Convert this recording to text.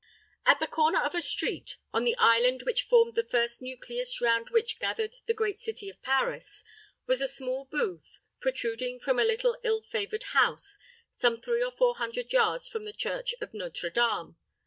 At the corner of a street, on the island which formed the first nucleus round which gathered the great city of Paris, was a small booth, protruding from a little, ill favored house, some three or four hundred yards from the church of Nôtre Dame.